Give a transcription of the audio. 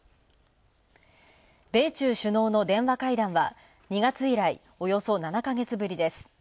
米中首脳の電話会談は２月以来およそ７か月ぶりです。